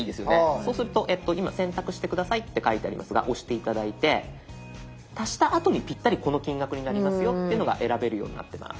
そうすると今「選択してください」って書いてありますが押して頂いて足したあとにぴったりこの金額になりますよっていうのが選べるようになってます。